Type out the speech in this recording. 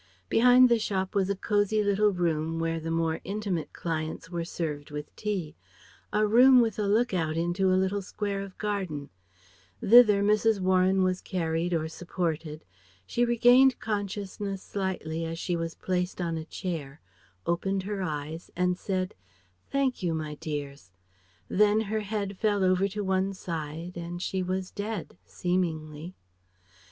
Behind the shop was a cosy little room where the more intimate clients were served with tea; a room with a look out into a little square of garden. Thither Mrs. Warren was carried or supported. She regained consciousness slightly as she was placed on a chair, opened her eyes, and said "Thank you, my dears." Then her head fell over to one side and she was dead seemingly....